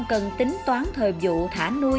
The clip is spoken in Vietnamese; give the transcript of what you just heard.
cần tính toán thời vụ thả nuôi